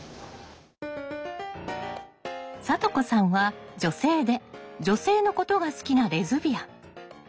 さと子さんは女性で女性のことが好きなレズビアン。